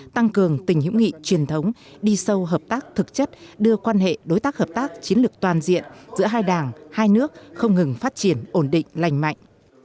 tăng cường tình hữu nghị truyền thống đi sâu hợp tác thực chất đưa quan hệ đối tác hợp tác chiến lược toàn diện giữa hai đảng hai nước không ngừng phát triển ổn định lành mạnh